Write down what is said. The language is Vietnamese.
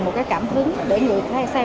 một cái cảm hứng để người xem